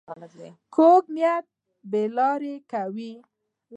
کوږ نیت بې لارې کوي